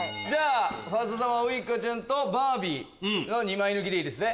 ファーストサマーウイカちゃんとバービーの２枚抜きでいいですね？